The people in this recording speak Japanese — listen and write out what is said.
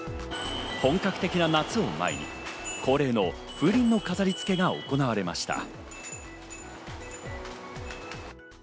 本格的な夏を前に恒例の風鈴の飾り付けが行われました。